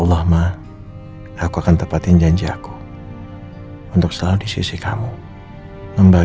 loh kalian ngal ciri kam mama